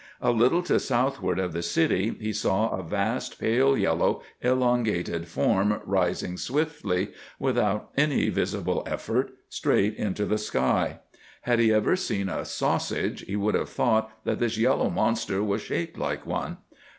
A little to southward of the city he saw a vast pale yellow elongated form rising swiftly, without any visible effort, straight into the sky. Had he ever seen a sausage, he would have thought that this yellow monster was shaped like one.